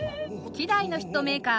希代のヒットメーカー